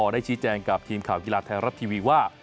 ได้ชี้แจงกับทีมข่าวกีฬาไทยรัฐทีวีว่า